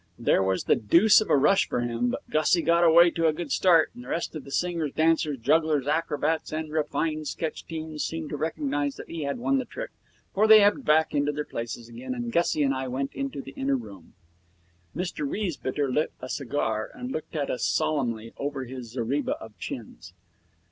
There was the deuce of a rush for him, but Gussie had got away to a good start, and the rest of the singers, dancers, jugglers, acrobats, and refined sketch teams seemed to recognize that he had won the trick, for they ebbed back into their places again, and Gussie and I went into the inner room. Mr Riesbitter lit a cigar, and looked at us solemnly over his zareba of chins.